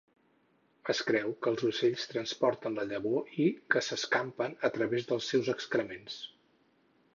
Es creu que els ocells transporten la llavor i que s'escampen a través dels seus excrements.